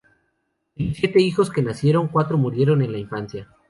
De los siete hijos que nacieron, cuatro murieron en la infancia.